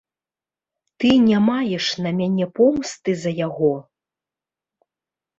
Ты не маеш на мяне помсты за яго?